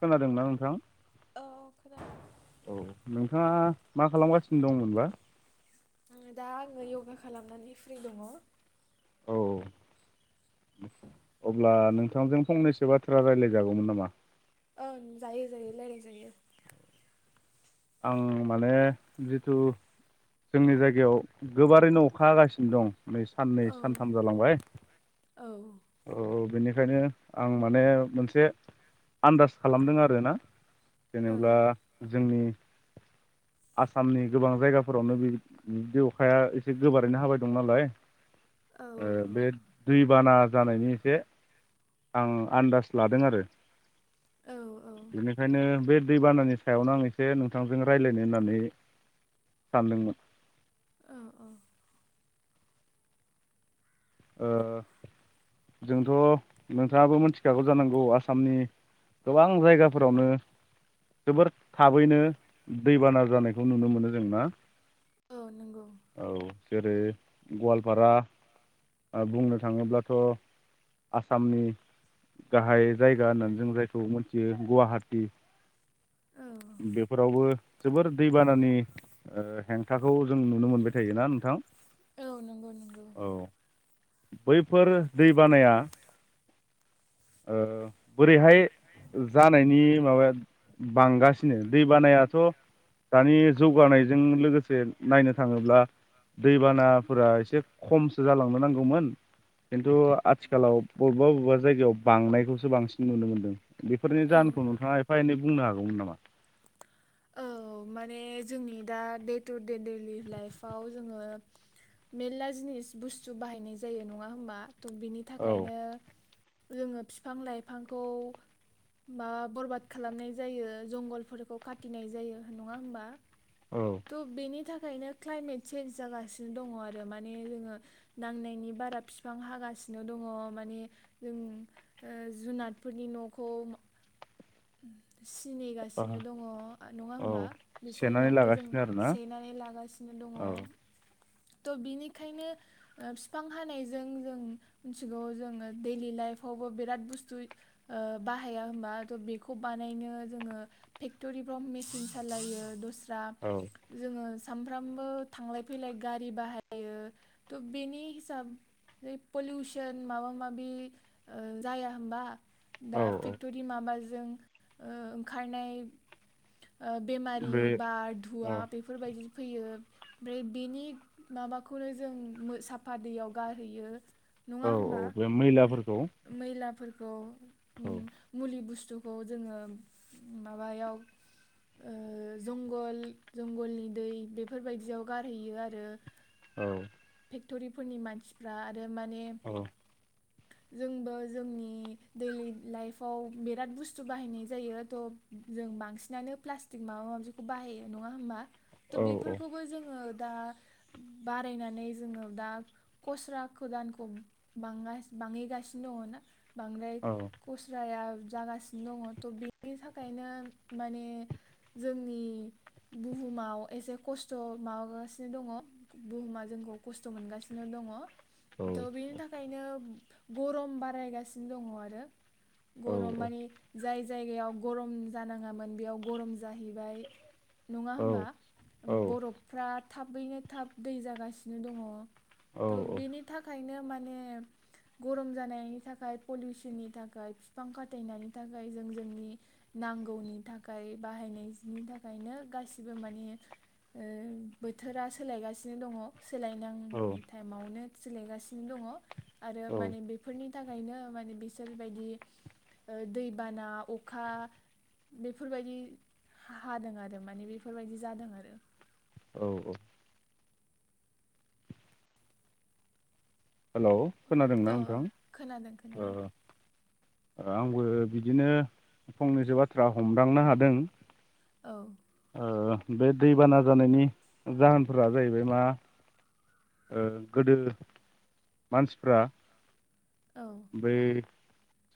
खोनादोंना नोंथां? औ खोनादों औ नों थाङा मा खालामगासिनो दंमोनबा? आङो दा आङो यग्गा खालामनानै फ्रि दङ। औ अब्ला नोंथांजों फंनैसो बाथ्रा रायलायजागौमोन नामा? ओं जायो जायो रायलाय जायो। आं माने जिथु जोंनि जायगायाव गोबारैनो अखा हागासिनो दं। नै साननै औ सानथाम जालांबाय औ औ बेनि बेखायनो आं माने मोनसे आन्दाज खालामदों आरोना औ जेनेब्ला जोंनि आसामनि गोबां जायगाफोरावनो बि-बिदि अखाया एसे गोबारैनो हाबाय दं नालाय औ ओ बे दै बाना जानायनि एसे आं आन्दाज लादों आरो औ बेनिखायनो बे दै बानानि सायावनो आं एसे नोंथांजों रायलायनो होननानै सानदोंमोन। औ औ ओ जोंथ नोंथाङाबो मिथिखागौ जानांगौ आसामनि गोबां जायगाफोरावनो जोबोर थाबैनो दैबाना जानाय खौ नुनो मोनो जों ना? औ नंगौ औ जेरै गवालपारा ओ बुंनो थाङोब्लाथ आसामनि गाहाय जायगा होननानै जों जायखौ मोनथियो गुवाहाटी औ जोबोर दैबानानि ओ हेंथाखौ जों नुनो मोनबाय थायोना नोंथां? औ नंगौ नंगौ औ बैफोर दैबानाया ओ बोरैहाय जानायनि माबाया बांगासि नो दैबानायाथ' दानि जौगानायजों लोगोसे नायनो थाङोब्ला दैबानाफोरा एसे खमसो जालांनो नांगौमोन खिन्थु आथिखालाव बबेबा बबेबा जायगायाव बांनायखौसो बांसिन नुनो मोन्दों बेफोरनि औ जाहोनखौ नोंथाङा एफा एनै बुंनो हागौमोन नामा। औ माने जोंनि दा देटु दे दैलि लाइफआव जोङो मेलला जिनिस बुस्थु बाहायनाय जायो नङा होमबा। बिनि औ थाखायनो जोङो बिफां लाइफांखौ बा बरबाद खालामनाय जायो जंगलफोरखौ खा। [inaudible] नाय जायो नङा होमबा। औ त बेनि थाखाय थाखायनो क्लाइमेट चेन्ज जागासिनो दङ आरो माने जोङो नांनायनि बारा बिफां हागासिनो दङ माने जों जुनादफोरनि नखौ सि नेगासिनो दङ। नङा औ होमबा बिसोरनि सेनानै न'खौ जों लागासिनो आरोना सेनानै लागासिनो दङ। औ थ' बिनिखायनो ओ फिफां हानायजों जों मिथिगौ जोङो दैडलि लाइफावबो बिराद बुस्थु बाहाया होमबा' बेखौ बानायनो जोङो फेक्ट'रि [inaudible] मेसिन सालायो दस्रा औ दा जोंड़ो- सामफ्रामबो थांलाय फैलाय गारि बाहायो थ' बेनि हिसाबै पलिउसन माबा माबि जाया होमबा? औ दा फेक्टरि माबा जों ओ ओंखारनाय बेमारि बे बा औ धुवा फैयो ओमफ्राय बेनि माबाखौनो जों साफा दैयाव गारहैयो। औ नङा औ होमबा बे मैलाफोरखौ मैलाफोरखौ। अ। औ उम मुलि बुसतु बुस्थुखौ जोङो माबायाव ओ जंगल जंगलनि दै बेफोरबायदियाव गारहैयो आरो। औ। फेक्ट'रिफोरनि मानसिफ्रा आरो माने जोंबो जोंनि दैडलि लाइफआव बिराद बुस्थु बाहायनाय जायो थ' जों बांसिन बांसिनानो प्लास्टिक माबा माबिखौ बाहायो नङा होमबा? त' औ बेफोरखौबो जोङो दा बारायनानै जोङो दा खस्रा गोदानखौ बां बांहैगासिनो दङ ना बांद्राय औ खस्राया जागासिनो दङ थ' बेनि थाखायनो माने जोंनि बुहुमाव एसे खस्थ' माबागासिनो दङ बुहुमा जोंखौ खस्थ' मोनगासिनो दङ। औ त' बेनि थाखायनो गरम बारायगासिनो दङ आरो औ गरम मानि जाय। जायगायाव गरम जानाङामोन। बेयाव गरम जाहैबाय नङा औ होमबा बर'फ्रा थाबैनो थाब दै जागासिनो दङ। औ थ' बिनि थाखायनो माने गरम जानायनि थाखाय पलिउसननि थाखाय फिफां खाथायनायनि थाखाय जों जोंनि नांगौनि थाखाय थाखाय बाहायनायनि थाखायनो गासिबो माने ओ बोथोरा सोलायगासिनो दङ। सोलायनांनि टाइमावनो सोलायगासिनो दंङ आरो औ माने बेफोरनि थाखायनो माने बिसोर बायदि ओ दै बाना अखा बेब बेफोर बायदि हादों आरो माने बेफोरबायदि जादों आरो औ औ हेलौ खोनादोंना औ औ नोंथां खोनादों ओ खोनादों ओ आंबो बिदिनो फंनैसो बाथ्रा हमदांनो हादों औ ओ बे दैबाना जानायनि जाहोनफोरा जाहैबाय मा ओ गोदो मानसिफ्रा औ बै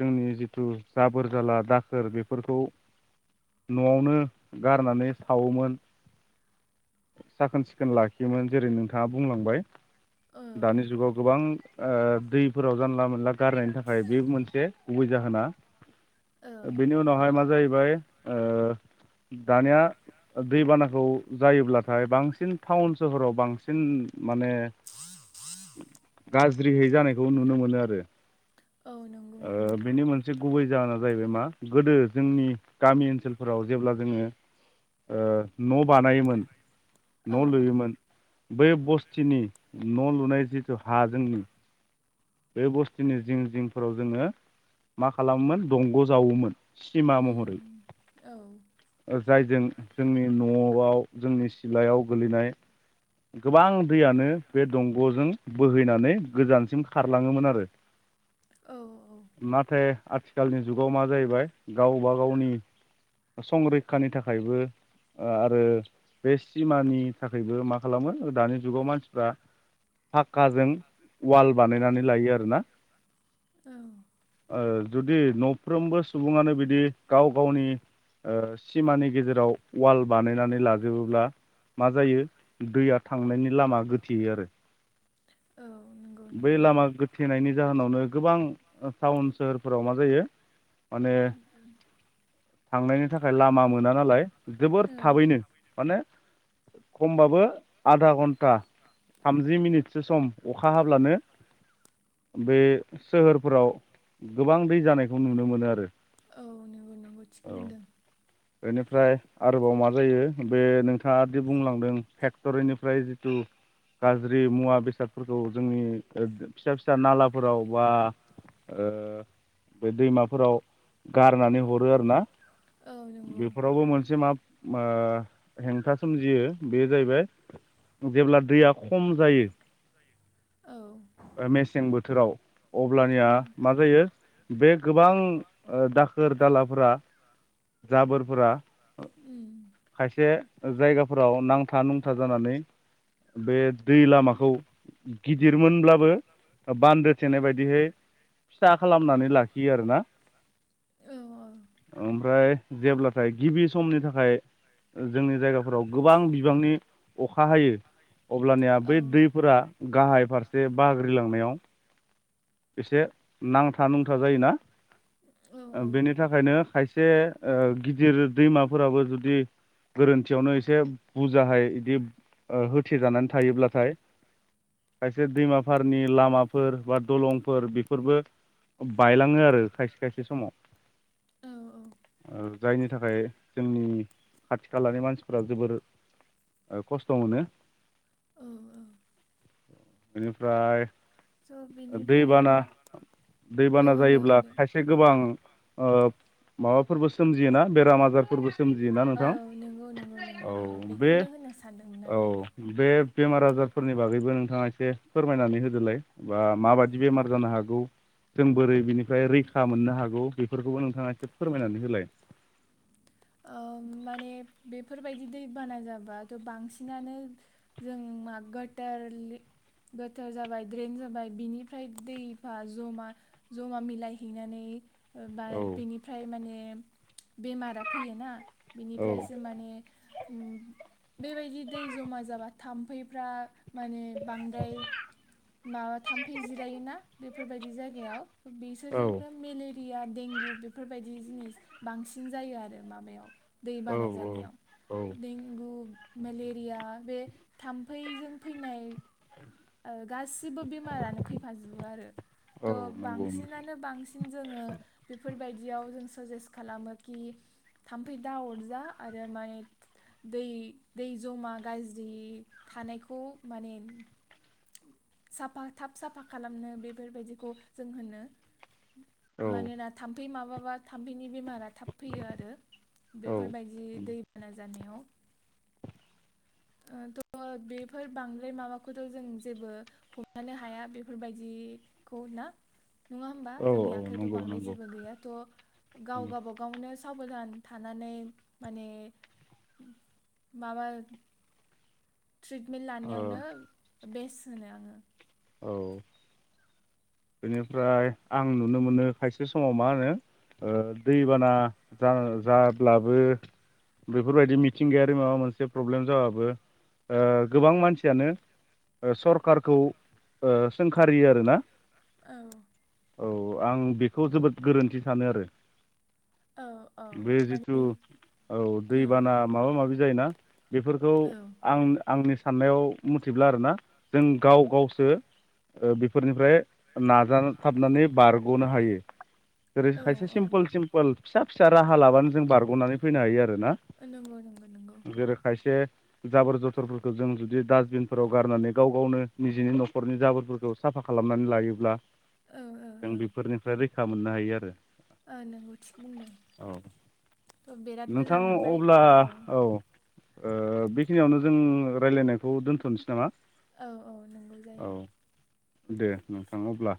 जोंनि जिथु जाबोर जाला दाखोर बेफोरखौ न'आवनो गारनानै सावोमोन साखोन सिखोन लाखियोमोन जेरै नोंथांङा बुंलांबाय ओ दानि जुगाव गोबां ओ दैफोराव जानला मोनला गारनायनि थाखाय बे मोनसे गुबै जाहोना औ बिनि उनाहाय मा जायो जैबाय ओ दानिया दैबानाखौ जायोब्लाथाय बांसिन टाउन सोहराव बांसिन माने गाज्रियै जानायखौ नुनो मोनो आरो औ नंगौ ओ नंगौ बिनि मोनसे गुबै जाहोना जाहैबाय मा गोदो जोंनि गामि ओनसोलफोराव जेब्ला जोङो ओ न' बानायोमोन औ न' लुयोमोन बै बस्थिनि न' लुनाय जिहेथु हा जोंनि बे बस्थुनि जिं जिंफोराव जोङो मा खालामोमोन दंग' जावोमोन उम उम औ ओ जायजों जोंनि न'आव जोंनि सिलायाव गोलैनाय गोबां दैयानो बे दंग'जों बोहैनानै गोजानसिम खारलाङोमोन आरो औ औ नाथाय आथिखालनि जुगाव मा जाहैबाय गावबा गावनि संरैखानि थाखायबो ओ आरो बे सिमानि थाखायबो मा खालामो दानि जुगाव मानसिफ्रा फाक्काजों वाल बानायनानै लायो आरो ना औ ओ जुदि न'फ्रोमबो सुबुंङानो बिदि गाव गावनि ओ सिमानि गेजेराव वाल बानायनानै लाजोबोब्ला औ नंगौ बै नंगौ लामा गोथेनायनि जाहोनावनो गोबां टाउन सोहोर फोराव मा जायो माने थांनायनि ओ लामा मोना नालाय जोबोर औ थाबैनो माने खमबाबो आधा घन्टा थामजि मिनिटसो सम अखा हाब्लानो बे सोहोरफोराव गोबां बै जानायखौ नुनो मोनो आरो औ नंगौ नंगौ थिग औ। बुंदों बेनिफ्राय आरोबाव मा जायो बे नोंथाङा दि बुंलांदों फेक्टरिनिफ्राय जिथु गाज्रि मुवा बेसादफोरखौ जोंनि ओ फिसा फिसा नालाफोराव बा ओ बे दैमाफोराव गारनानै हरो आरो ना। औ नंगौ बेफोरावबो मोनसे मा मो हेंथा सोमजियो बे जाहैबाय जेब्ला दैया खम जायो औ मेसें ओ मेसें बोथोराव। अब्लानिया उम मा जायो बे गोबां ओ दा खोर दालाफोरा जाबोरफोरा उम खायसे जायगाफोराव नांथा-नुंथा जानानै बे दै लामाखौ गिदिरमोनब्लाबो औ जेब्लाथाय गिबि समनि थाखाय ओ जोंनि जायगाफोराव गोबां बिबांनि अखा हायो। अब्लानिया औ बै दैफोरा गाहाय फारस जे बाग्रिलांनायाव एसे नां औ ओ बेनि थाखायनो खायसे जे ओ गिदिर दैमाफोराबो जुदि गोरोन्थियावनो एसे बुजाहाय इदि ओ होथेजानानै थायोब्लाथाय खायसे दैमाफारनि लामाफोर बा दलंफोर बेफोरबो बायलाङो आरो खायसे खायसे समाव। औ ओ जायनि थाखाय जोंनि खाथि-खालानि मानसिफोरा जोबोर खस्थ' मोनो। औ औ। बेनिफ्राय बेनिफ्राय दैबाना मा औ दैबाना होनदो जायोब्ला खायसे गोबां होनदो मा? फोरबो सोमजियोना बेराम आजारफोरबो सोमजियोना नोंथां औ नंगौ नंगौ नंगौ औ नंगौ बे बेखौनो होननो सानदोंमोन औ आङो बे बेमार आजारफोरनि बागैबो नोंथाङा एसे फोरमायनानै होदोलाय बा माबायदि बेमार जानो हागौ जों बोरै बिनिफ्राय रैखा मोननो हागौ बेफोरखौबो नोंथाङा एसे फोरमायनानै होलाय। ओ माने बेफोरबायदि दैबाना जाबाथ' बांसिनानो जों मा गोथोर गोथोर जाबाय द्रेन जाबाय बिनिफ्राय दैफा जमा जमा मिलायहैनानै बा औ बिनिफ्राय माने बेमारा फैयो ना? बिनिफ्रायसो माने ओम बेबायदि दै जमा जाबा थाम्फैफ्रा माने बांद्राय माबा थाम्फै जिरायोना बेफोरबायदि जायगायाव बिसोरजोंनो मेलेरिया देंगु बेफोरबायदि बि जिनिस बांसिन जायो आरो। माबायाव दै औ बाना जानायाव औ दिंगु मेलेरिया बे थाम्फैजों फैनाय ओ गासिबो बेमारानो फैफाजोबो आरो औ थ' नंगौ नोंथां बांसिनानो बांसिन जोङो बेफोरबायदि बिदियाव जों साजेस्ट खालामो कि थाम्फै दा अरजा आरो माने दै दै जमा गाज्रि थानायखौ माने साफा थाब साफा खालामनो बेफोरबायदिखौ जों होनो औ मानोना थाम्फै माबा माबा थाम्फैनि बेमारा थाब फैयो आरो। औ बेफोरबायदि दैबाना जानायाव ओ थ' बेफोर बांद्राय माबाखौथ' जों जेबो हमथानो हाया बेफोरबायदिखौ ना? नङा होमबा औ जोंनि आखाइथ' नंगौ बांद्राय नंगौ ओ जेबो गैया थ' गाव गाबागावनो साबधान थानानै माने माबा ट्रिटमेन्ट औ लानायावनो बेस्ट होनो आङो। औ बेनिफ्राय आं नुनो मोनो खायसे समाव मा होनो ओ दैबाना जा जाब्लाबो बेफोरबायदि मिथिंगायारि माबा मोनसे प्रब्लेम जाबाबो ओ गोबां मानसियानो सरखारखौ ओ सोंखारि आरो ना औ औ आं बेखौ जोबोद गोरोन्थि सानो आरो। औ औ बे जिथु माने औ औ दैबाना माबा माबि जायोना बेफोरखौ औ आं आंनि साननायाव मथिब्ला आरोना जों गाव गावसो ओ बेफोरनिफ्राय नाजाथाबनानै बारग'नो हायो। जेरै औ खायसे सिम्पोल सिम्पोल फिसा फिसा राहा लाबानो जों बारग'नानै फैनो हायो आरो। ना आरो नंगौ नंगौ नंगौ जेरो खायसे जाबोर जथरफोरखौ जों जुदि डास्टबिनफोराव गारनानै गाव गावनो निजेनि न' न'खरनि जाबोरफोरखौ साफा खालामनानै लायोब्ला औ औ जों औ बेफोरनिफ्राय रै खा मोननो हायो आरो। ओ नोंबो थिग औ बुंदों बिराद नोंथां मोजां मोनबाय अब्ला औ। ओ बेखिनियावनो जों रायलायनायखौ दोन्थ'नोसै नामा? औ औ नंगौ औ जायो दे नोंथां अब्ला